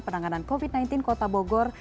penanganan covid sembilan belas kota bogor